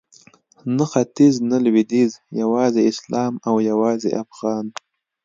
نه ختیځ نه لویدیځ یوازې اسلام او یوازې افغان